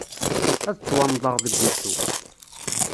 Ad ttwannḍeɣ deg usu.